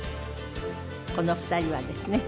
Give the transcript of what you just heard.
この２人はですね。